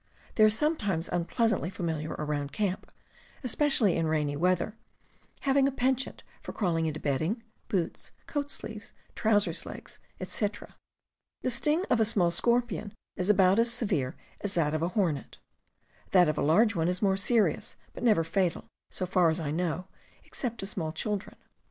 They are sometimes unpleasantly familiar around camp, especially in rainy weather, having a penchant for crawling into bedding, boots, coat sleeves, trousers' legs, etc. The sting of a small scorpion is about as severe as that of a hornet; that of a large one is more serious, but never fatal, so far as I know, except to small children.